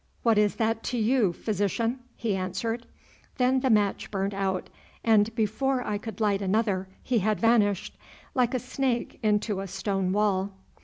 "What is that to you, Physician?" he answered. Then the match burnt out, and before I could light another he had vanished, like a snake into a stone wall.